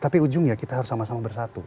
tapi ujungnya kita harus sama sama bersatu